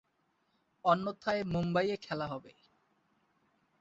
অন্যথায়, মুম্বইয়ে খেলা হবে।